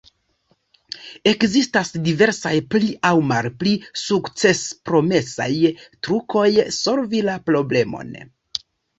Ekzistas diversaj pli aŭ malpli sukcespromesaj trukoj solvi la problemon.